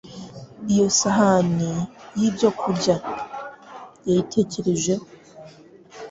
iyo sahani y’ibyokurya. Yayitekerejeho,